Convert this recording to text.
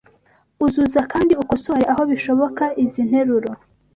Uzuza kandi ukosore aho bishoboka izi nteruro